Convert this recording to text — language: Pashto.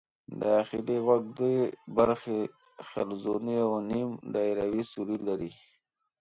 داخلي غوږ دوې برخې حلزوني او نیم دایروي سوري لري.